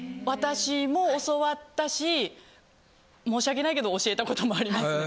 私も教わったし申し訳ないけど教えたこともあります。